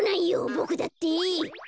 ボクだって！